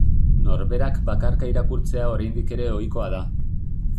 Norberak bakarka irakurtzea oraindik ere ohikoa da.